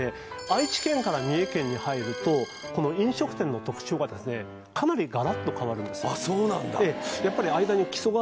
愛知県から三重県に入るとこの飲食店の特徴がですねかなりガラッと変わるんですあっそうなんだええ